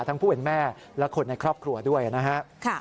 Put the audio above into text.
ผู้เป็นแม่และคนในครอบครัวด้วยนะครับ